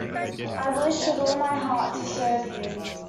I wish with all my heart to serve you.